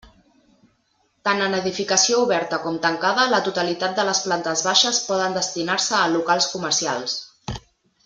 Tant en edificació oberta com tancada, la totalitat de les plantes baixes poden destinar-se a locals comercials.